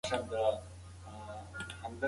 سهار وختي موټر راځي.